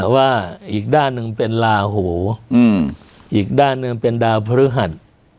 ว่าอีกด้านหนึ่งเป็นลาหูอีกด้านหนึ่งเป็นดาวพฤหัส